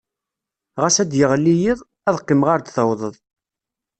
Ɣas ad d-yeɣli yiḍ, ad qqimeɣ ar d-tawḍeḍ.